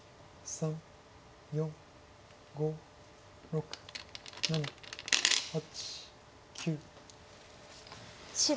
３４５６７８。